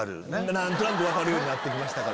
何となく分かるようになって来ました。